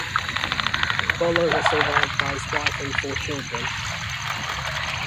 Butler was survived by his wife and four children.